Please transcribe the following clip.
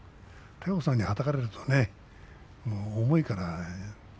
大鵬さんにはたかれるとね、重いから。